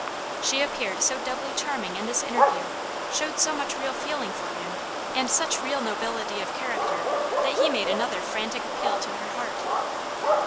She appeared so doubly charming in this interview, showed so much real feeling for him, and such real nobility of character, that he made another frantic appeal to her heart."